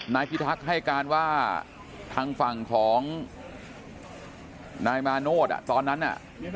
พิทักษ์ให้การว่าทางฝั่งของนายมาโนธตอนนั้นน่ะ